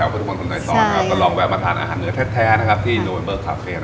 เพราะว่าทานอาหารเนี่ยประจำเลย